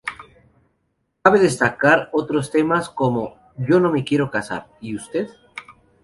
Cabe destacar otros temas como "Yo no me quiero casar, y usted?